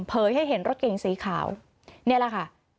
ให้เห็นรถเก่งสีขาวนี่แหละค่ะ